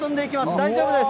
大丈夫です。